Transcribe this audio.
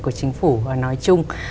của chính phủ nói chung